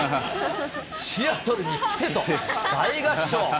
シアトルに来てと大合唱。